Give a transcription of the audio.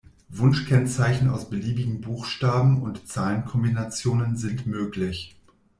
Wunschkennzeichen aus beliebigen Buchstaben- und Zahlenkombinationen sind möglich.